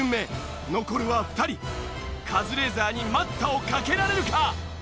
カズレーザーに待ったをかけられるか？